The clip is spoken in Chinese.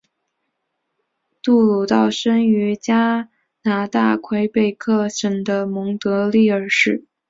杜鲁道生于加拿大魁北克省的蒙特利尔市。